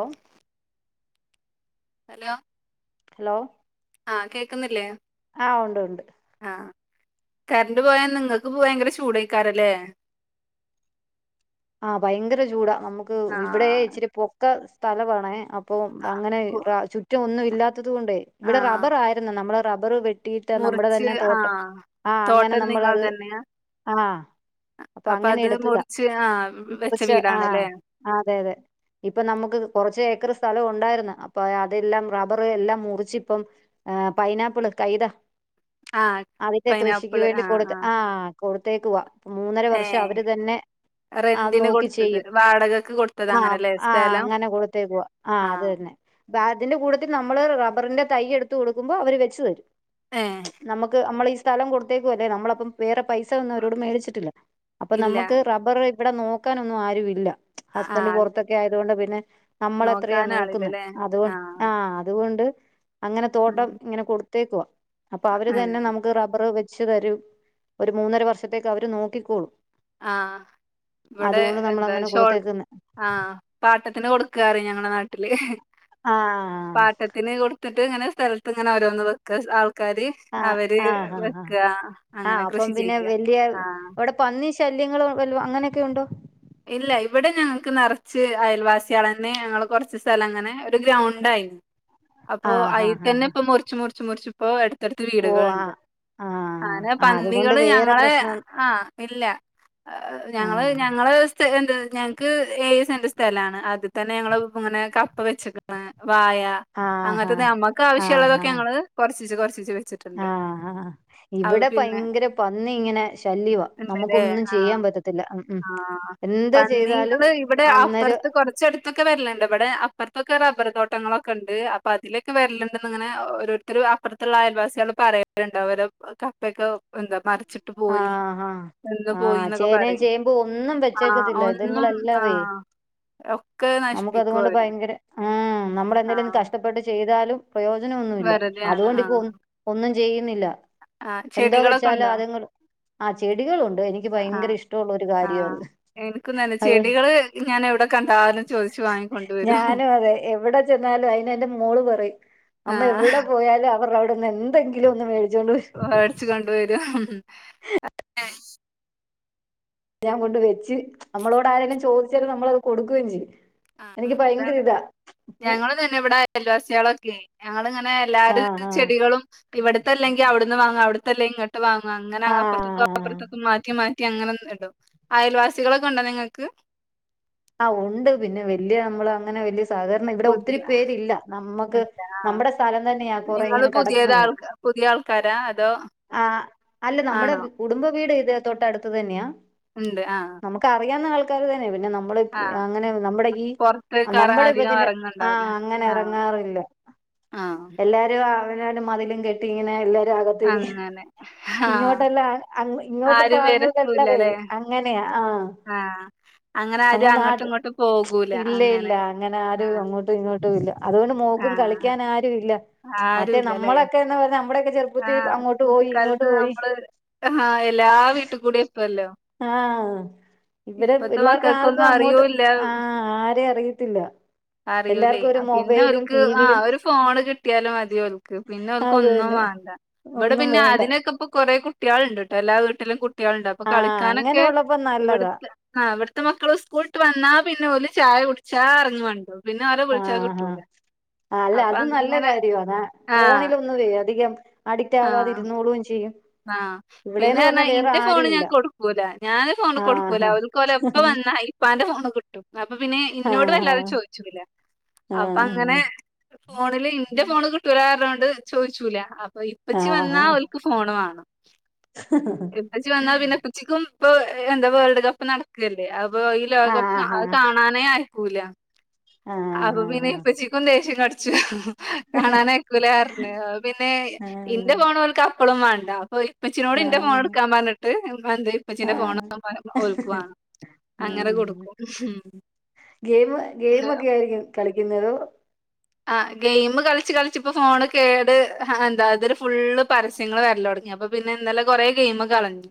O hello hello ആ കേക്കുന്നില്ലേ ആ, ഉണ്ടുണ്ട്. കറന്റ് പോയാ നിങ്ങൾക്ക് ഭയങ്കര ചൂടായിക്കാരല്ലേ ആ ഭയങ്കരചൂടാ, നമുക്കിവിടെ ആഹ് ഇച്ചിരി പൊക്ക, സ്ഥലവാ ങ്ങേ, അപ്പോ, അങ്ങനെ ആഹ് അ ചുറ്റമൊന്നുമി ത്തതുകൊണ്ടേ, ഇവിടെ ആഹ് റബ്ബർആയിരുന്നു, നമ്മളതു റബ്ബറു വെ ട്ടീയിട്ട് നമ്മുടെ മുറിച്ച് തന്നെ യീട്, നമ്മുടെതന്നെതോട്ടം ആഹ് ആ തോട്ടം നിങ്ങൾ അങ്ങനെനമ്മളത്, തന്നെയാ ആ അപ്പൊ അപ്പമങ്ങനെ അത് എടു ത്തീതാ മുറിച്ച് ആഹ് വെച്ച ആ വീടാണല്ലേ അതെയതെ ഇപ്പൊ നമുക്ക്കുറച്ചേ ക്കറ്, സ്ഥ സ്ഥലമുണ്ടായിരുന്നു. അപ്പോ അതെല്ലാം റബ്ബ എല്ലാം മുറിച്ചിപ്പം പൈനാപ്പിള്, കൈത ആഹ് അതിന്റെ കൃഷിക്കു പൈനാപ്പിള് ആഹ് വേണ്ടികൊടുത്ത് ആഹ് ആ.. കൊടുത്തേക്കുവ ഇപ്പം ഏഹ് മൂന്നരവർഷമവരുതന്നെ ആ.. റെന്റിന് അതുനോക്കി കൊടുത്തത് ചെയ്യും. വാടകക്ക് കൊടുത്തത് ആ.. അങ്ങനെല്ലേ ആ.. സ്ഥലം അങ്ങനെ കൊടുത്തേക്കുവ ആ.. ആഹ് അതുതന്നെ വാർഡിന്റെ കൂട്ടിത്തിത നമ്മള്റബ്ബറിന്റെ തൈയെടുത്ത്, കൊടുക്കുമ്പോ, അവര് വച്ചു തരും. ഏഹ് നമുക്ക്, നമ്മളീസ്ഥി സ്ഥലം കൊടുത്തേക്കുവല്ലേ, നമ്മളപ്പം വേറെ പൈസയൊന്നുമവരോട് മേടിച്ചിട്ടില്ല അപ്പൊ ഇല്ല നമുക്ക് റബുറ് ഇവിടെ നോക്കാനൊന്നും ആരുമില്ല ഹസ്ബൻഡ് ആഹ് പുറത്തൊക്കെ ആയതുകൊണ്ട് വ നെ നമ്മളെത്രയാ നോക്കുന്നു നോക്കാനാളില്ലല്ലേ അതൊ ആഹ് ആ അതുകൊണ്ട് അങ്ങനെ ഉം തോട്ടം ഇങ്ങനെ കൊടു തേക്കുവ അപ്പൊ അവര് ഏഹ് തന്നെ നമുക്ക് റബർ വെച്ച് വെച്ച് തരും ഒരു മൂന്നര വർഷത്തേക്ക് അവര് നോക്കിക്കോളും ആഹ ഇവിടെ അതുകൊണ്ട് നമ്മളങ്ങനെ എന്താഷോ കൊടുത്തേക്കുന്നെ ആഹ പാട്ടത്തിന് കൊടുക്ക ക്കറി ഞങ്ങള നാട്ടില് ആഹ് പാട്ടത്തിന് കൊടുത്തിട്ട് ഇങ്ങനെ സ്ഥലത്ത് ഇങ്ങനെ രോന്ന് വെക്ക ആക്കു ആക്കാര് ആഹ് അവര് ആഹ് ആഹ് ആഹ് വെക്കുക അങ്ങനെ ആഹ് അപ്പം കൃഷി പിന്നെ ചെയ്യ്യ വലിയ ആഹ അവിടെ പന്നി ശല്യങ്ങളോ വല്ലോ അങ്ങനെയൊക്കെ ഉണ്ടോ ഇല്ല ഇവിടെ ഞങ്ങൾക്ക് നിറച്ച് അയൽവാസിയളന്നെ ഞങ്ങൾ കുറച്ച് സ്ഥലം അങ്ങനെ ഒരു ഗ്രൗണ്ട് ആയിരുന്നു അപ്പൊ ആഹ് ഹാ അയിൽ ഹാ തന്നെ ഹാ ഇപ്പൊ മുറിച്ച് മുറിച്ച് മുറിച്ച് പോവ ട്ത്തട്ത്തി ഓ വീടുകളുണ്ട് ആഹ് ആഹ് അങ്ങനെ ആഹ് അതുകൊണ്ട് പന്നികള് വേറെ ഞങ്ങളെ പ്രശ്നം ആ ഇല്ല ഞങ്ങള് ആഹ് ഞങ്ങള് എ ഞങ്ങക്ക് ഏഴ് സെന്റ് സ്ഥലാണ് അതിൽ തന്നെ ഞങ്ങള് ഇങ്ങനെ കപ്പ വെച്ചക്കിണ് വായ ആഹ് അങ്ങനത്തെ നമ്മുക്ക് ആഹ് ആവശ്യമുള്ളതൊക്കെ ആഹ് ഞങ്ങൾ കൊറച്ചിച്ചോ കോറച്ചിച്ചോ കൊറ ചി ചി ആഹ് ആഹ് ഇവിടെ പിന്നെ പയങ്കര പന്നി ഇങ്ങനെ ശല്യമാ ഉണ്ടല്ലേ നമുക്കൊന്നും ചെയ്യാൻ പറ്റത്തില്ല ഉ ഉം എന്താ ചെയ്താലും പന്നിള് ഇവിടെ അന്നേരം അപ്പുറത്ത് കുറച്ച എടുത്തൊക്കെ വരിലണ്ട് ഇവിടെ അപ്പുറത്തൊക്കെ റബ്ബർ തോട്ടങ്ങളൊക്കെ ഉണ്ട് അപ്പൊ അതിലൊക്കെ വരലന്ന് ഇങ്ങനെ ഓരോരുത്തരു അപ്പൊറത്തുള്ള അയൽവാസികൾ പറയാറുണ്ട് അവ കപ്പയൊക്കെ എന്താ പ ആഹഹാ ആഹ എന്നൊക്കെ ചേനയും പറയും ചേമ്പു ഒന്നും ആഹ് വെച്ചേക്കതില്ലാ ഇത്ങ്ങൾ ഒന്നും എല്ലാവേ ആഹ് ഒക്കെ നമ്മക്ക് നശിപ്പിക്കും അത്കൊണ്ട് അവര് ഭയങ്കര ആ നമ്മളെന്തേലൊന്ന് ആഹ് കഷ്ടപ്പെട്ട് ചെയ്യ്ച്ചാൽ താലും പ്രയോജനം ഒന്നുമില്ല വെറുതെയാണ് അതുകൊണ്ട് ഇപ്പോ ആഹ് ഒന്നും ചെയ്യ് ക്കാൻ ജെയും ന്നില്ലാ ആഹ് എന്തോ ചെടികളൊക്കെ വെച്ചാലോ ഉണ്ടോ അത് ആ ചെടികളുണ്ട്. എനിക്ക് ഭയങ്കര ആഹ് ഇഷ്ടമുള്ള ഒരു കാര്യ ആഹ് അത്. എനിക്കും തന്നെ അത്കൊ ചെടികള് ഞാൻ എവിടെ കണ്ടാലും ചോദിച്ചു വാങ്ങിക്കൊണ്ടുവരും ഞാനും അതെ എവിടെ ചെന്നാലും അതിന് എന്റെ മോള് പറയും അമ്മ ആഹ് എവിടെ പോയാലും അവർ അവിടെന്ന് എന്തെങ്കിലും ഒന്ന് മേടിക്കും വാടിച്ച കൊണ്ട വരും ഉ അ ഞാൻ കൊണ്ട് വെച്ച് അമ്മളോട് ആരെങ്കിലും ചോദിച്ചാലും നമ്മളത് കൊടുക്കുവെം ചെയ്യും ആ എനിക്ക് ഭയങ്കര അതാണ് ഇതാ പൂ ഞങ്ങള് തന്നെ ഇവിടെ അയൽവാസികളൊ [unintelligible] എല്ലാും ആഹ് ആഹ് ചെടികളും ഇവിടത്തെല്ലെങ്കിൽ അവിടുന്ന് വാങ്ങു അവി [unintelligible] വാങ്ങു അങ്ങനെ അപ്പുറത്തക്ക ആഹ് അപ്പറത്തക്കും മാറ്റി മാറ്റി അങ്ങനെ ണ്ടോ അയൽവാസികളൊക്കെ ഉണ്ടോ നിങ്ങൾക്ക് ആ ഉണ്ട് പിന്നെ വല്ിയ നമ്മള് അങ്ങനെ വലിയ സാധാരണ ഇവിടെ ഒത്തിരി പുതിയ പേരില്ല നമ്മുക്ക് ആഹ് നമ്മുടെ സ്ഥലം തന്നെയ കൊറെ നിങ്ങള് ഇങ്ങനെ പുതിയത് കടക്കുന്നത് ആൾ പുതിയ ആൾക്കാരാ അതോ ആ അല്ല നമ്മുടെ ആണോ കുടുംബ വീട് ഇത തൊട്ടടുത്ത് തന്നെയാ ഉണ്ട് ആഹ് നമുക്ക് അറിയ നമ്മ ആഹ് അങ്ങനെ നമ്മുടെ ഈ പൊറത്തേക്ക് നമ്മുടെ അധികം ഇപ്പത്തിന്റെ ആ എറങ്ങണ്ടാവൂല അങ്ങനെ ആഹ് ഇറങ്ങാറില്ല ആഹ് എല്ലാരും എ മതില കട്ട ഇങ്ങനെല്ല കത്തി അങ്ങനെ ആഹ് ഇങ്ങോട്ടല്ല അ ഇങ്ങോട്ട് ഭാഗങ്ങതല്ലതേ അങ്ങനെയാ ആഹ് ആഹ അങ്ങനെ നമ്മ ആരും നാട്ട അങ്ങോട്ടും ഇങ്ങോട്ടും പോകൂല ഇല്ല ഇല്ല അങ്ങനെ ആരും ആഹ് അങ്ങോട്ടും ഇങ്ങോട്ടും ഇല്ല അതുകൊണ്ട് മോക്കും ആഹ് കളിക്കാന ആരുും ഇല്ല മറ്റേ ആരുല്ലല്ലേ നമ്മളൊക്കെ എന്ന് പറഞ്ഞാ നമ്മുടെയൊക്കെ ചെറുപ്പത്തിൽ ആഹ് അങ്ങോട്ട് പോയി ഇങ്ങോട്ട് കുട്ടിക്കാലത്ത് പോയി നമ്മള് ആഹ എല്ലാ വീട്ടിൽ കൂടി ഇപ്പല്ലോ ആഹ ഇവിടെ പിള്ളേർക്ക ആർക്കും മക്കൾക്കൊന്നും അങ്ങോട്ട് അറിയൂല്ല ആഹ ആര അറിയത്തില്ല അറിയൂലേ എല്ലർക്കും ഒരു ആഹ് മൊബൈലും ടിവിയും കുട്ടിയാലും മതിയോക്ക് പിന്നെ അവക്ക് അത് ഒന്നും തന്നെ വേണ്ട ഇവിടെ ഒന്നും പിന്നെ വേണ്ട അതിനൊക്കെ ഇപ്പ കുറെേ കുട്ടികൾ ഉണ്ട് കേട്ടോ അല്ലാതെ അല്ല കുട്ടികളണ്ട് അപ്പൊ ആഹ് അങ്ങനെ കളിക്കാനൊക്കെ ഉള്ളപ്പോ നല്ലതാ ഇവിടുത്തെ ആ ഇവിടുത്തെ മക്കൾ സ്കൂളിട്ട് വന്നാ പിന്നെ പോലെ ചായ കുടിച്ചാ ഇറങ്ങ വണ്ടോ ആഹഹ അല്ല അപ്പൊ അത് നല്ല അങ്ങനെ കാര്യമാണ് ആഹ് ഫോണിലൊന്ന വേ അധികം അഡിക്റ്റ് ആകാതി ഇരുന്നോളും ചെയ്യും ആഹ പിന്നെ ഇവിടെന്ന് പറഞ്ഞാ വേറെ ഇന്റെ ഫോണ് ആരും ഞാൻ ഇല്ല കൊടുക്കൂല ഞാാന് ഫോണ് കൊടുക്കൂല ആഹ് ഒക്കോല എപ്പ വന്ന അന്റെ ഫോണ് കിട്ടും അപ്പൊ പിന്നെ ഇന്നോട് ആഹ് വല്ലാതെ ചോദിച്ചില്ല ആഹ് അപ്പൊ അങ്ങനെ ഫോണില് ഇന്റെ ഫോണ് കിട്ടരാാരണ്ട് അത് ചോദിച്ചൂല ഓ ആഹ് ഇപ്പച്ചി വന്നാ ആഹ് അവക്ക് ഫോണ വ ആ കഴിച്ചു വന്നാ പിന്നെ പുച്ചിക്കും ഇപ്പൊ എന്താ വേൾഡ് കപ്പ് നടക്ക്‌ല്ലേ അപ്പൊ ഈ ആഹ് ആഹ് ലോകകപ്പ് ആഹ് അത് ആഹ് കാണാനേ ആയി ക്കൂല അപ്പൊ പിന്നെ ആഹ് ഇപ്പച്ചിക്കും ദേഷ്യം ച്ച് കാണാൻ അയ്ക്കൂല പർഞ് പിന്നെ ആഹ് ഇന്റെ ആഹ് ഫോണ് ഓൽക്ക്‌ അപ്പളും വാ ന്താവും ഓര് ഇപ്പച്ചിനോട് ഇന്റെ ഫോൺ ആഹ് എടുക്കാൻ പറഞ്ഞിട്ട് എന്തി ഇപ്പച്ചീന്റെ ഫോണ് ആഹ് പോല ഓൽക്കുവാണം അങ്ങനെ ആഹ് കൊടുക്കും ഗെയിം ഉം ഗെയിമൊക്കെ ആയിരിക്കും കളിക്കുന്നത് ആ ഗെയിം കളിച്ച് കളിച്ച് ഇപ്പോ ഫോണ് കേട് എന്താ ഇതില് ഫുള്ള് പരസ്യങ്ങള് വരല് തൊടങ്ങി അപ്പൊ പിന്നെ ഇന്നലെ കൊറെേ ഗെയിം കളഞ്ഞു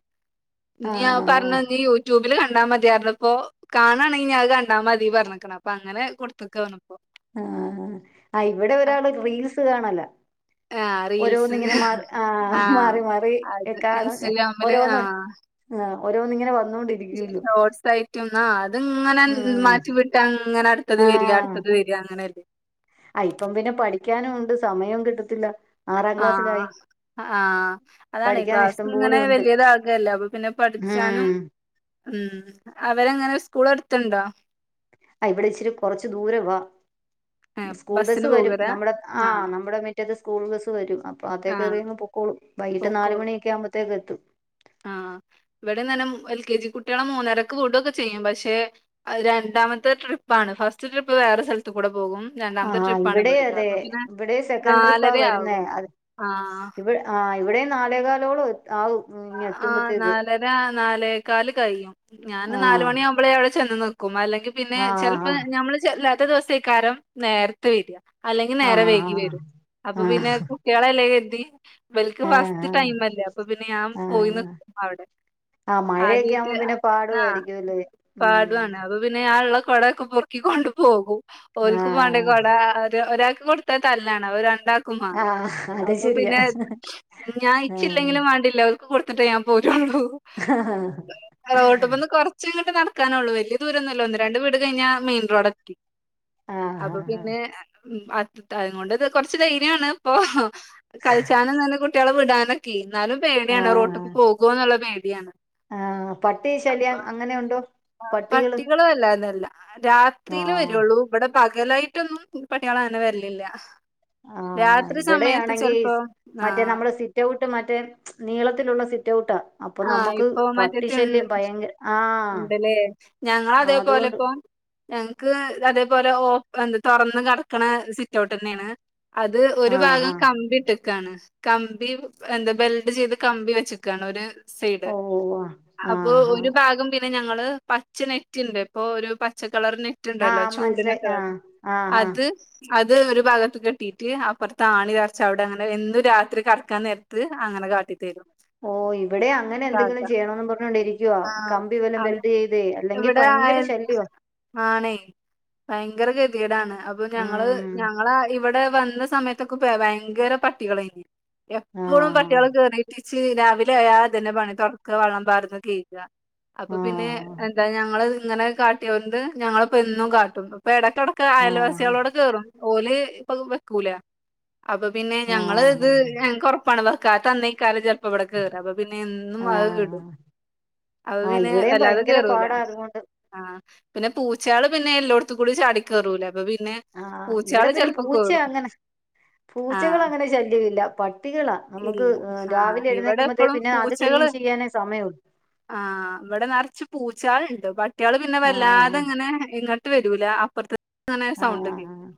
ഞാ ആഹ് പറഞ് നി യൂട്യൂബില് കാണ കണ്ടാ മതിയരർഞു പ്പോ കാണണെങ്കി അത് കണ്ടാമതി പറഞ്ഞക്ക്‌ണ് അപ്പൊ അങ്ങനെ കൊടുത്ത്ക്കാ തോണു ഇപ്പൊ ആഹ് ആ ഇവ്ടെ ഒരാള് റീൽസ് സ് കാണലാ ആഹ് റീൽസ് ആഹ് മാറി മാറി അത് കാണും ഇൻസ്റ്റഗ്രാമില് ഓരോന്ന് ആഹ് ഓരോന്ന് ഇങ്ങനെ വന്നോണ്ടിരിക്കുല്ലോ ഷോട്ട്സായിട്ടും ആ അത്ങ്ങനെ ഉം മാറ്റി വിട്ടാ അങ്ങനെ ട് അടുത്തത് വര്യ അടുത്തത് വര്യ അ അങ്ങനല്ലെ അയിപ്പം പിന്നെ പഠിക്കാനും ഉണ്ട് സമയേം കിട്ടത്തില്ല ആറാം ക്ലാസ്സിലായി ആഹ് ആഹ് ആഹ് അതാണെ പഠിക്കാൻ ഇഷ്ടം ക്ലാസ്സ് പോലെ ഇങ്ങനെ ഉണ്ട് വല്യതാകല്ലെ അപ്പൊ പിന്നെ പഠിച്ചാനും ഉം ഉം അവരെങ്ങനെ സ് കുളട്ത്ത്ഇണ്ടോ ഇവ്ടെ ഇച്ചിരി കുറച്ചു ദൂരംവാ ഏഹ് സ്കൂൾ ബസ്സ് ബസ്സിന് വരും പോകലാ നമ്മളെ ആ ആഹ് നമ്മ്ടെ മിറ്റത്ത് സ്കൂൾ ബസ്സ് വരും അപ്പൊ അതൊ ആഹ് കയറിയങ് പൊക്കോളും വൈകിട്ട് നാല്മണിയൊക്കെ ആവ്മ്പ തെക്ക്എത്തും ആ ഇവ്ടെതന്നെ എൽ കെ ജി കുട്ടികളെ മൂന്നരക്ക് വിടുംഒക്കെ ചെയ്യും പഷേ രണ്ടാമത്തെ ട്രിപ്പാണ് ഫസ്റ്റ് ട്രിപ്പ് വേറെ സ്ഥലത്തു കൂടെ പോകും രണ്ടാമത്തെ ആഹ് ട്രിപ്പാണ് ഇവിടെ ഇവിടുത്തെ അതെ അപ്പൊ പിന്നെ ഇവിടെ സെക്കൻഡ് ട്രിപ്പാ നാലര വരുന്നേ ആകും അ ആഹ് ആ ഇവിടേം നാലെകാലോളം എ ആ നാലര നാലേക്കാല് കയ്യും ഞാന് ആ നാലുമണിയാവുമ്പളെ അവ്ടെ ചെന്ന് നിക്കും അല്ലെ പിന്നെ ആ ചെലപ്പോ ഞമ്മള് ചെല്ലാ ത്ത് ദിവസയ്ക്കാരം നേരത്തെ വര് വ അല്ലെങ്കി ആ ആ നേരം വൈകി വരും അപ്പൊ ആ പിന്നെ കുട്ടികളല്ലെ കര് ദി ഇവൽലക്ക് ആ ഫസ്റ്റ് ടൈം അല്ലേ അപ്പൊ പിന്നെ ഞാമ്മ് ആ പോയി നി അവിടെ ആ മഴയൊക്കെ ആദ്യായിട്ട് ആവുമ്പോ പിന്നെ ആ പാടുമായിരിക്കുംല്ലേ ഉം പാടാണ് അപ്പൊ പിന്നെ ഞാഉള്ള കൊടയൊക്കെ പൊറക്കികൊണ്ടു പോകും ആ ഓൽക്കും മാണ്ടേ കൊട ഒരാ കൊടുത്ത തല്ലണ് അയ് രണ്ടാ രണ്ടാക്കും ആ മാണം അത് അപ്പൊ ശരിയാ പിന്നെ ഞാൻ ആ ഇച്ചില്ലെങ്കിലും വേണ്ടില്ല ഓല്‍ കൊടുത്തിട്ട് ഞൻ പോരോള്ളൂ [unintelligible] റോട്ടുമ്മന്ന് കുറച്ച് നടക്കാനുള്ളള്ള വല്ലേ ദൂരംന്നല്ലോ ഒന്ന് രണ്ട് വീട് കഴിഞ്ഞൽ മെയിൻ റോഡൊത്തി ആ അപ്പൊ പിന്നെ ഉ അത് അതുകൊണ്ട്ത് കൊറച്ച് ധൈര്യമാണ് ഇപ്പൊ കളിച്ചനും നല്ല കു കുട്ടികള വിടാനൊക്കെ എന്നാലും പേ ടി ആ ആ റോട്ടക്ക് പോകൊ എന്നുള്ള പേടിയാണ് ആഹ് പട്ടി അപ്പൊ ശല്യം അങ്ങനെയുണ്ടോ ആ പട്ടികള് പട്ടികളും വല്ലാതേല്ല രാത്രിയില് ആഹ് വരുള്ളൂ ഇവിടെ ഇ പകലായിട്ടൊന്നും പട്ടികള അങ്ങനെ വരിലില്ല ആഹ് രാത്രി സമയത്ത് ഇവിടെയാണെങ്കി ചെലപ്പോ ആ മറ്റേ നമ്മള് സിറ്റ് ഔട്ട് മറ്റേ നീളത്തിലുള്ള സിറ്റ്ഔട്ടാ ആ ഇപ്പൊ മറ്റത്തിണ്ട് ഭയങ്കര ആഹ് ഉണ്ടല്ലേ ഞങ്ങള അതേ പോലെ അതുകൊണ്ട് ഇപ്പോ ഞങ്ങക്ക് അതേപോലെ ഓ എ തുറന്ന് കടക്കണ സിറ്റ് ഔട്ട് തന്നെയാണ് അത് ഒരു ആഹ് ഭാഗം ആഹ് കമ്പിട്ട് ക്കാണ് കമ്പി എന്താ ബെൽഡ് ചെയ്ത് കമ്പി വെച്ചക്കാണ് ഒരു സൈഡ് ഓഹ് ഓഹ് അപ്പോ ആഹ് ആഹ് ഒരു ഭാഗം പിന്നെ ഞ ങ്ങള് പച്ച നെറ്റ ഉണ്ട് ഇപ്പോ ഒരു പച്ചാ കളർ നെറ്റ് ഉണ്ടല്ലോ ആഹ് മനസ്സിലായി ചൂടിനൊക്കെ ആഹ് ഇതാക്ക്ണേ ആഹ് ആഹ് അത് അത് ഒരു ഭാഗത്ത് കെട്ടിട്ട് അപ്പുറത്ത് ആണി തറച്ച അവിടെ അങ്ങനെ എന്തും രാത്രി കടക്കാൻ നേരത്ത് നേരത്ത് അങ്ങനെ കാട്ടി തരും ഓ ഇവിടെ അങ്ങനെ എന്തെങ്കിലും ചെയ്യണന്ന് പറഞ്ഞോണ്ട ഇരിക്കവാ ആഹ് കമ്പി വല്ലും അവ ബെൽഡ് ചെയ്ത അല്ലെങ്കി ഇവിടെ ആയ ഭയങ്കര ശല്യവാ ആണേ ഭയങ്കര ഗതിടാണ് അപ്പൊ ഉം ഞങ്ങള് ഞങ്ങള ഇവിടെ വ സമയത്തൊക്കെ ഭയങ്കര പട്ടികളെനി എപ്പളും ആഹ് പട്ടികള് കേറിട്ട് ചീര വി അന്ത്യായാ ഇതെന്നെ പണി തൊടക്കാ വെള്ളം പാർന്ന് കഴുക അപ്പൊ പിന്നെ ആഹ് എന്താ ഞങ്ങള് ഇങ്ങനെ കാട്ടിയോണ്ട് ഞങ്ങളിപ്പം എന്നും കാട്ടും ഇപ്പടെക്ക് തൊടക്ക ആഹ് അയൽവാസികളോട് കയറും ഓല് ഇപ്പം വെക്കൂല അപ്പോ പിന്നെ ഞങ്ങള് ആഹ് ഇത് ഞങ്ങ്ക്ക് കൊറപ്പാണതാ [unintelligible] കേറാ അപ്പോ പിന്നെ ആഹ് എന്നും അത് ആഹ് കേടും അത് ആഹ് പിന്നെ ഇവിടെയും വല്ലാതെ ഭയങ്കര കേറൂല പാടാ അതുകൊണ്ട് ആഹ് പിന്നെ പൂച്ചകള് പിന്നെ എല്ലോടത്തുക്കുടി ചാടി കേറുലേ അപ്പോ പി ആഹ് ഇവടെ പിന്നെ പൂച്ച അങ്ങനെ ആഹ് പൂച്ചകളങ്ങനെ ശല്യവില്ല പട്ടികളാ നമുക്ക് രാവിലെ ഇവടെ എഴുന്നേക്കുമ്പോത്തേ എപ്പോഴും പിന്നെ അത് ക്ലീൻ പൂച്ചകള് ചെയ്യാനേ സമയമുള്ളൂ ആഹ് ഇവടെ നെറച്ച് പൂച്ചകൾ ള്ളു [unintelligible] കുട്ട്യള് പിന്നെ വല്ലാതെ ആഹ് ഇങ്ങനെ ഇങ്ങ ട്ട് വരൂല അപ്രത്ത് അങ്ങനെ ആഹ് സൗണ്ട് കേക്കും ആഹ്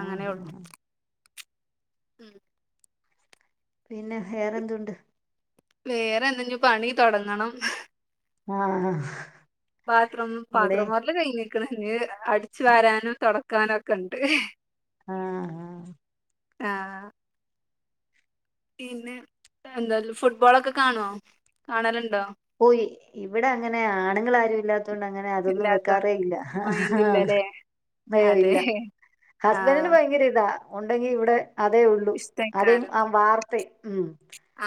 അങ്ങനെ ഒള്ളു ആഹ് ഉം പിന്നെ വേറെന്തുണ്ട് വേറെ എന്തെന്ന് പണി തൊടങ്ങണം ആഹ് പാത്രം ഇവിടെ പാത്രമൊറല് കഴിഞ്ഞ് ക്ക്ണ് ഇഞ്ഞ് അടിച്ചു വരാനും തൊടക് ക്കാനൊക്കെ ഒണ്ട് ആഹ് ഹാ ആഹ് പിന്നെ എന്താല് ഫുട്ബോളൊക്കെ കണോ കാണലു പോയി ഇവിടെ അങ്ങനെ ആണുങ്ങൾ ആരു ഇല്ലാത്തൊണ്ട് അങ്ങനെ അതൊന്നും വെക്കാറേ ഇല്ലാത്തോണ്ട് ഇല്ല മൈൻഡ് ഇല്ലല്ലേ ഏയ് അതെ ഇല്ല ഹസ്ബൻഡന് ആഹ് ഭയങ്കരം ഇതാ ഉണ്ടെങ്കി ഇവിടെ അതേ ഉള്ളൂ അതേ ഇഷ്ടേക്കാരം ആ വാർത്ത ഉം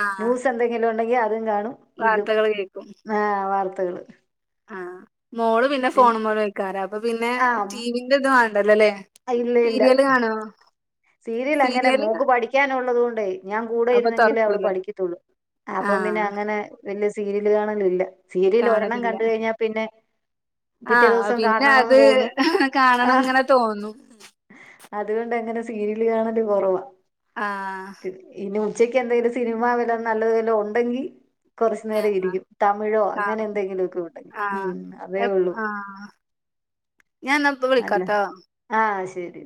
ആഹ് ന്യൂസ് എന്തെങ്കിലും ഉണ്ടെങ്ക അതും കാണും ഇതും ക്കും ആഹ് വാർത്തകള് ആഹ് മോള് പിന്നെ പിൻ ഫേണമ്മെ കളിക്കാറാ അപ്പൊ പിന്നെ ആഹ് ടിവിന്റെ ഇതു ണ്ടല്ലല്ലേ സീരിയല് കാണോ? സീരിയല് അങ്ങനെ മോക്ക് പഠിക്കാനൊള്ളതുകൊ ണ്ടേയ് ഞാൻ കൂടെ അപ്പൊ ഇരുന്നെങ്കിലേ അവള് തുറക്കൂല പഠിക്കത്തുള്ളൂ അപ്പം പിന്നെ ആഹ് അങ്ങനെ വല്യ സീരിയല് കാണലില്ല സീരിയല് ഒരെണ്ണം കാണലില്ല കണ്ട് കഴിഞ്ഞാ പിന്നെ പിറ്റേ ആഹ് ദിവസം പിന്നെ അത് കാണണംന്ന് തോന്നും കാണണം ആഹ് ഇങ്ങനെ തോന്നും അതുകൊണ്ട് അങ്ങനെ സീരിയല് കാണല് കൊറവാ ആഹ് ഉച്ചയ്ക്ക് എന്തെങ്കിലും സിനിമാ വല്ലതും നല്ലത് വല്ലതും ഉണ്ടെങ്കി കൊറച്ചു നേരം ഇരിക്കും തമിഴോ അങ്ങനെ കാണും എന്തെങ്കിലുമൊക്കെ ഒണ്ടെങ്കി ആഹ് ഉം അതേ എപ് ഒള്ളൂ ആഹ് ഞാൻ എന്നാ ഇപ്പ അല്ലാ വിളിക്കാട്ടോ ആഹ് ശ ശരി